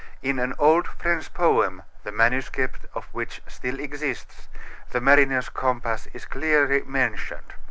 In an old French poem, the manuscript of which still exists, the mariner's compass is clearly mentioned.